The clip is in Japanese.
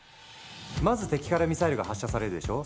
まず敵からミサイルが発射されるでしょ。